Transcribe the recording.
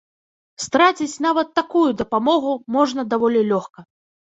Страціць нават такую дапамогу можна даволі лёгка.